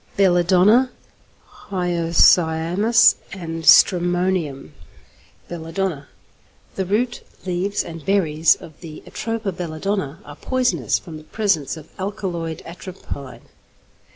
XXX. BELLADONNA, HYOSCYAMUS, AND STRAMONIUM =Belladonna.= The root, leaves, and berries, of the Atropa belladonna are poisonous from the presence of alkaloid atropine.